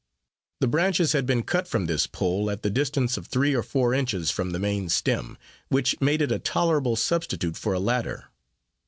The branches had been cut from this pole at the distance of three or four inches from the main stem, which made it a tolerable substitute for a ladder.